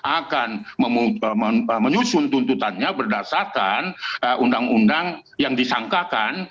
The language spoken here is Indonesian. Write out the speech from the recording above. akan menyusun tuntutannya berdasarkan undang undang yang disangkakan